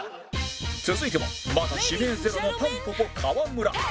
続いてはまだ指名ゼロのたんぽぽ川村